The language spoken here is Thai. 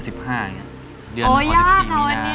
อ๋อยากค่ะวันนี้